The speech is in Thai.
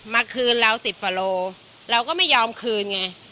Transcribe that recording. มาคืนเรา๑๐กว่าโลเราก็ไม่ยอมคืนไง